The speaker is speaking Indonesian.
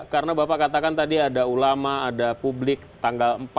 karena bapak katakan tadi ada ulama ada publik tanggal empat